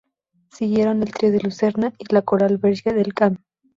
Siguieron el "Trío de Lucerna" y la "Coral Verge del Camí".